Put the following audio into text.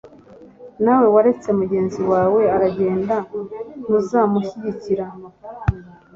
nawe waretse mugenzi wawe aragenda, ntuzamushyikira